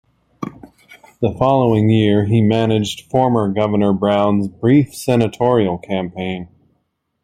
The following year, he managed former governor Brown's brief senatorial campaign.